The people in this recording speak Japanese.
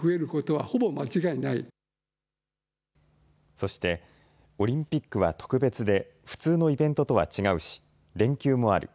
そしてオリンピックは特別で普通のイベントとは違うし連休もある。